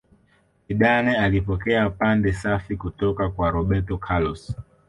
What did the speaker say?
zidane alipokea pande safi kutoka kwa roberto carlos